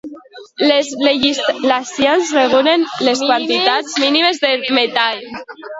Les legislacions regulen les quantitats mínimes de metall.